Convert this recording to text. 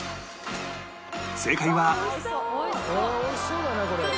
正解は